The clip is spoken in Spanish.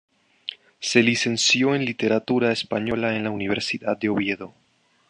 Se licenció en literatura española en la Universidad de Oviedo.